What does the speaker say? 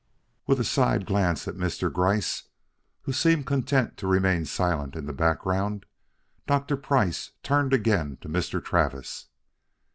With a side glance at Mr. Gryce, who seemed content to remain silent in the background, Dr. Price turned again to Mr. Travis.